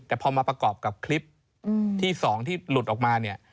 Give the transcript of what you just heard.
แต่พอมาประกอบกับคลิปที่๒ที่หลุดออกมาเนี่ย